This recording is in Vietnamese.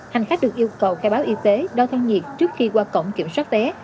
hành khách được yêu cầu khai báo y tế đo thang nhiệt trước khi qua cổng kiểm soát té